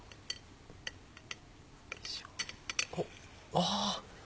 あ！